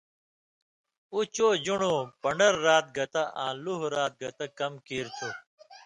اُو چو ژن٘ڑُوں پن٘ڈر رات گتہ آں لُوہ رات گتہ کم کیریۡ تُھو۔